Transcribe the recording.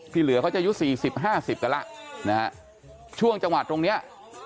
ที่เหลือเขาจะอยู่สี่สิบห้าสิบกันละช่วงจังหวัดตรงเนี้ย